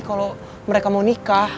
kalau mereka mau nikah